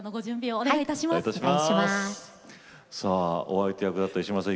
お相手役だった石丸さん